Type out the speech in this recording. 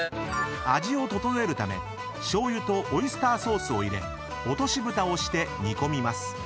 ［味を調えるため醤油とオイスターソースを入れ落としぶたをして煮込みます］